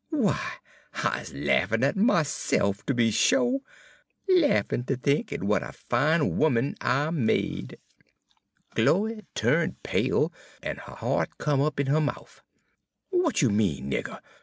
W'y, I's laffin' at myse'f, tooby sho', laffin' ter think w'at a fine 'oman I made.' "Chloe tu'nt pale, en her hea't come up in her mouf. "'Wat you mean, nigger?'